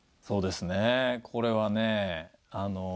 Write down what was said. そうですねこれはねあの。